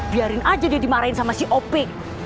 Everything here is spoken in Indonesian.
biarin aja dia dimarahin sama si op